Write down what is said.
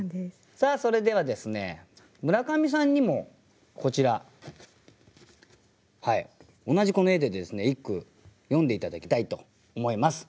さあそれではですね村上さんにもこちら同じこの絵でですね一句詠んで頂きたいと思います。